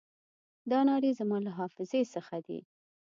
دا نارې زما له حافظې څخه دي.